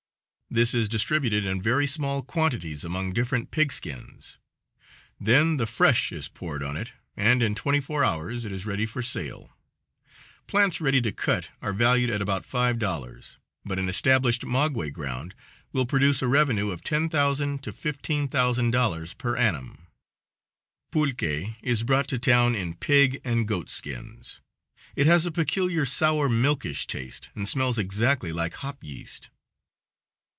This is distributed in very small quantities among different pigskins; then the fresh is poured on it, and in twenty four hours it is ready for sale. Plants ready to cut are valued at about $5, but an established maguey ground will produce a revenue of $10,000 to $15,000 per annum. Pulque is brought to town in pig and goat skins. It has a peculiar sour milkish taste, and smells exactly like hop yeast.